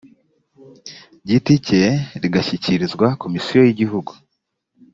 giti cye rigashyikirizwa komisiyo y igihugu